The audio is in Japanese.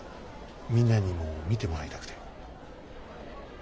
みんなにも見てもらいたくて。